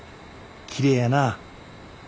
きれいやなぁ。